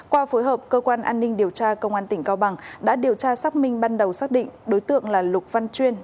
qua phối hợp cơ quan an ninh điều tra công an tỉnh cao bằng đã điều tra xác minh ban đầu xác định đối tượng là lục văn chuyên